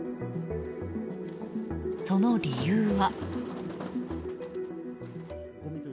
その理由は。